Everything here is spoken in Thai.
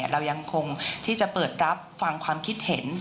เรายังคงที่จะเปิดรับฟังความคิดเห็น